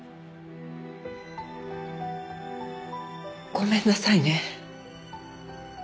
ごめんなさいね。